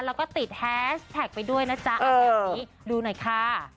แล้วก็ติดแฮชแท็กไปด้วยนะจ๊ะแบบนี้ดูหน่อยค่ะ